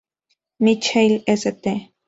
Michael", "St.